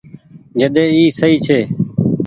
جڏي اي سئي ڇي۔